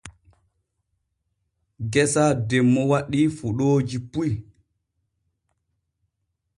Geesa demmo waɗii fuɗooji puy.